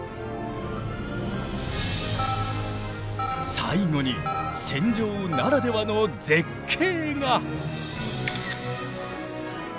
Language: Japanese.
最後に船上ならではの絶景が。